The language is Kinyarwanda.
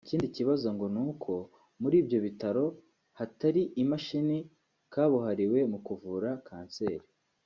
Ikindi kibazo ngo ni uko muri ibyo bitaro hatari imashini kabuhariwe mu kuvura kanseri